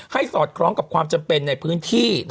สอดคล้องกับความจำเป็นในพื้นที่